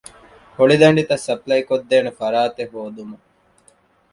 ހޮޅިދަނޑިތައް ސަޕްލައިކޮށްދޭނެ ފަރާތެއް ހޯދުމަށް